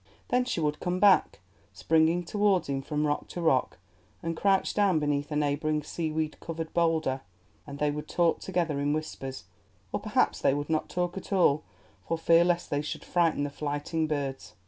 Then she would come back, springing towards him from rock to rock, and crouch down beneath a neighbouring seaweed covered boulder, and they would talk together in whispers, or perhaps they would not talk at all, for fear lest they should frighten the flighting birds.